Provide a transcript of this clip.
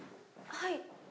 はい。